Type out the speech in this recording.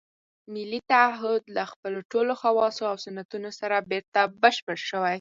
ملي تعهُد له خپلو ټولو خواصو او سنتونو سره بېرته بشپړ شوی.